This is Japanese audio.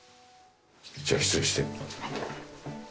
じゃあ失礼して。